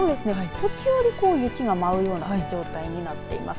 時折、雪が舞うような状態になっています。